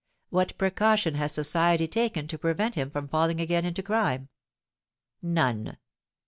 What precaution has society taken to prevent him from falling again into crime? None!